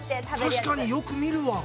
確かによく見るわ。